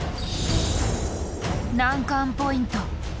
難関ポイント。